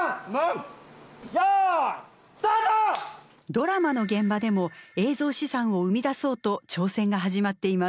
ドラマの現場でも映像資産を生み出そうと挑戦が始まっています。